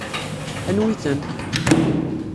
Anwi-ten?